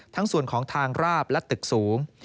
ทั้งส่วนของทางราบและตึกสูง